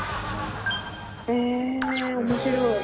え面白い。